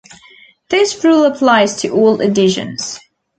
This rule applies to all editions.